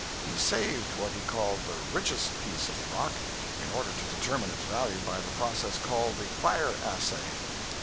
He saved what he called the "richest" piece of the rock, in order to determine its value by the process called the "fire assay."